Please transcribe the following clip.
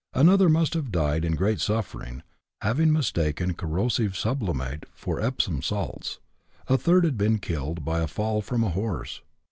Another must have died in great suflTering, having mistaken corrosive sublimate for Epsom salts. A third had been killed by a fall from a horse.